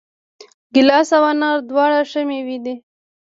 ګیلاس او انار دواړه ښه مېوې دي.